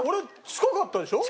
近かったですよ。